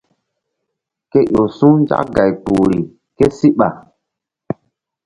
Ke ƴo su̧ nzak gay kpuhri késíɓa.